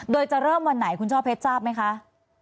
โดยจะเริ่มวันไหนคุณช่อเพชรทราบไหมคะ